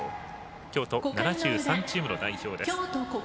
京都７３チームの代表です。